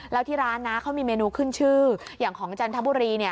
แล้วที่ร้านนะเขามีเมนูขึ้นชื่ออย่างของจันทบุรี